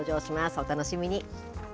お楽しみに。